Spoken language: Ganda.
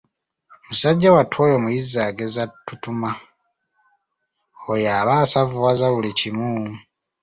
Musajja wattu oyo muyizzi agezza ttutuma, oyo aba asavuwaza buli kimu.